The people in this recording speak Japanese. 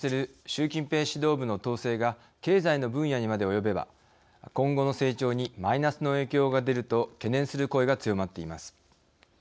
習近平指導部の統制が経済の分野にまで及べば今後の成長にマイナスの影響が出ると懸念する声が強まっています。